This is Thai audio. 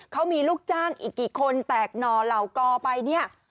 เขามีลูกจ้างอีกกี่คนแตกหน่อเหล่ากอไปเนี่ย